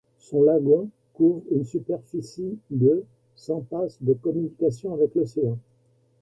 Son lagon couvre une superficie de sans passe de communication avec l'océan.